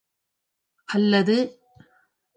அல்லது எனது நன்மைக்காகவா?